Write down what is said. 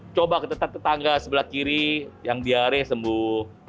coba kita tetap tetangga sebelah kiri yang diare sembuh